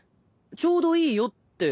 ちょうどいいよって。